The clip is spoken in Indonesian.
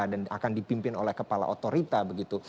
dan akan dipimpin oleh kepala otorita begitu